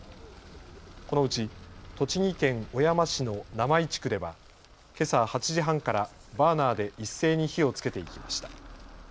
このうち栃木県小山市の生井地区ではけさ８時半からバーナーで一斉に火をつけていきました。